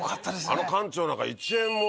あの館長なんか。